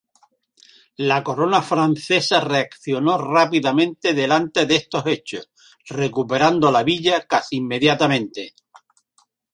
La corona francesa reaccionó rápidamente delante de estos hechos, recuperando la villa casi inmediatamente.